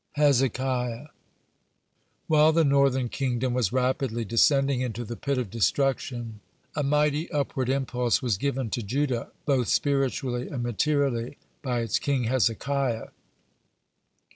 (46) HEZEKIAH While the northern kingdom was rapidly descending into the pit of destruction, a mighty upward impulse was given to Judah, both spiritually and materially, by its king Hezekiah.